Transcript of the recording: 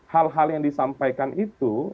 hal hal yang disampaikan itu